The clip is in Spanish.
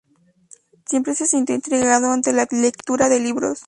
Siempre se sintió intrigado ante la lectura de libros.